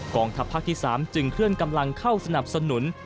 องทัพภาคที่๓จึงเคลื่อนกำลังเข้าสนับสนุน